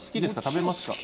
食べますか？